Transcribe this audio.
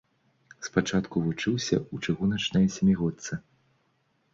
Спачатку вучыўся ў чыгуначнай сямігодцы.